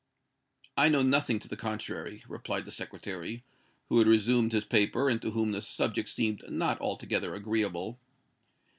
"I know nothing to the contrary," replied the Secretary, who had resumed his paper, and to whom the subject seemed not altogether agreeable.